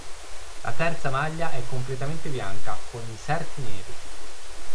La terza maglia è completamente bianca con inserti neri.